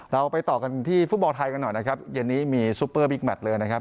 เราไปต่อกันที่ฟุตบอลไทยกันหน่อยนะครับเย็นนี้มีซุปเปอร์บิ๊กแมทเลยนะครับ